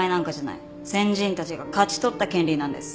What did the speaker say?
先人たちが勝ち取った権利なんです。